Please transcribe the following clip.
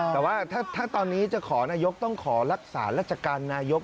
แต่ว่าถ้าตอนนี้จะขอนายกต้องขอรักษาราชการนายก